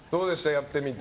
やってみて。